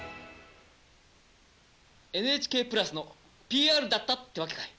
ＮＨＫプラスのＰＲだったってわけかい。